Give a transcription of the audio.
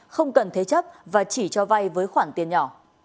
không cần thế chấp và chỉ cho vay với khoản tiền nhỏ